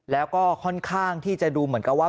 แล้วก็ค่อนข้างที่จะดูเหมือนกับว่า